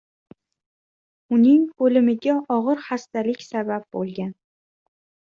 Uning o‘limiga og‘ir xastalik sabab bo‘lgan